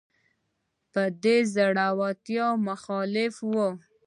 به د زړورتیا مخالف وای